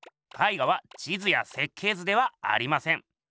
絵画は地図や設計図ではありません。